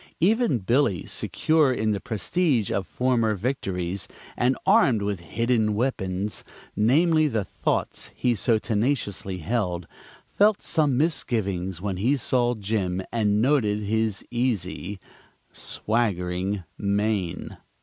Even Billy, secure in the prestige of former victories, and armed with hidden weapons namely, the "thoughts" he so tenaciously held felt some misgivings when he saw Jim and noted his easy, swaggering mien.